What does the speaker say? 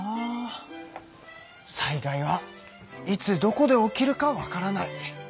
災害はいつどこで起きるかわからない。